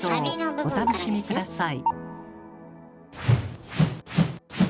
お楽しみ下さい。